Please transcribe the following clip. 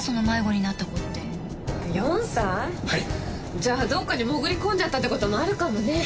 じゃあどっかに潜り込んじゃったって事もあるかもね。